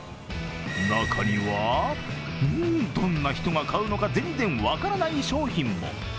中には、どんな人が買うのか全然分からない商品も。